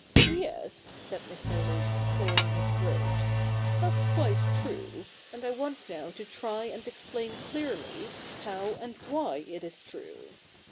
' Yes,' said Mr. Luke, clearing his throat ;' that's quite true, and I want now to try and explain clearly how and why it is true.